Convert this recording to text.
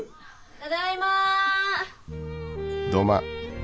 ・ただいま。